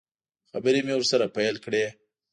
خبرې مې ورسره پیل کړې.